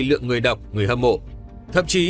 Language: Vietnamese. lượng người đọc người hâm mộ thậm chí